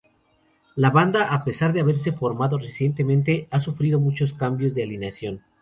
La banda, a pesar de haberse formado recientemente, ha sufrido muchos cambios de alineación.